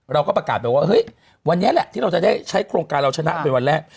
เราก็ประกาศไปว่าเฮ้ยวันนี้แหละที่เราจะได้ใช้โครงการเราชนะเป็นวันแรก